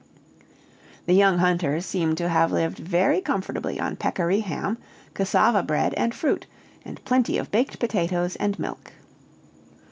The young hunters seemed to have lived very comfortably on peccary ham, cassava bread and fruit, and plenty of baked potatoes and milk.